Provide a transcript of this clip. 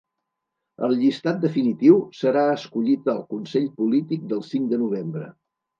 El llistat definitiu serà escollit al consell polític del cinc de novembre.